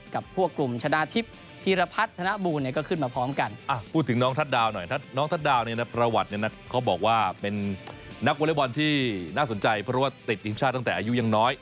กับพวกกลุ่มชนะทิพย์ฮีรพัฒน์ชนะบูรณ์เนี่ย